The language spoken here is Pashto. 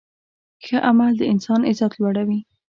ښه عمل د انسان عزت لوړوي.